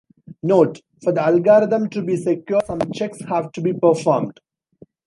Note: for the algorithm to be secure some checks have to be performed.